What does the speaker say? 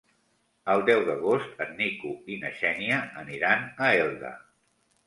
El deu d'agost en Nico i na Xènia aniran a Elda.